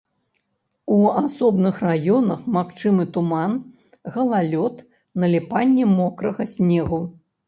У асобных раёнах магчымы туман, галалёд, наліпанне мокрага снегу.